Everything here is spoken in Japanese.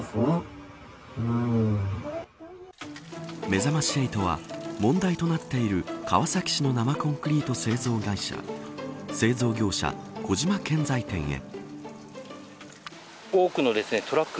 めざまし８は問題となっている川崎市の生コンクリート製造会社製造業者、小島建材店へ。